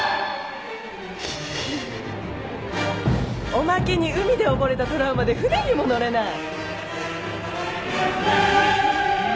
おまけに海でおぼれたトラウマで船にも乗れない！？